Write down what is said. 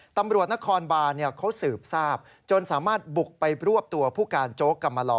ตำรวจนครบานเขาสืบทราบจนสามารถบุกไปรวบตัวผู้การโจ๊กกำมาลอ